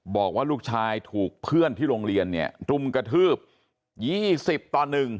บอกว่าลูกชายถูกเพื่อนที่โรงเรียนเนี่ยรุมกระทืบ๒๐ต่อ๑